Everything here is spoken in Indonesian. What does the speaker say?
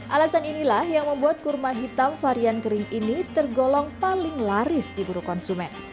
alasan inilah yang membuat kurma hitam varian kering ini tergolong paling laris di buru konsumen